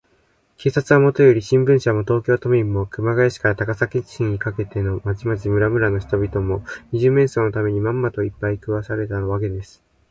警察はもとより、新聞社も、東京都民も、熊谷市から高崎市にかけての町々村々の人々も、二十面相のために、まんまと、いっぱい食わされたわけです。